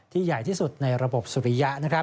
ใหญ่ที่สุดในระบบสุริยะ